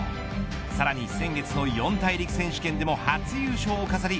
さらに先月の四大陸選手権でも初優勝を飾り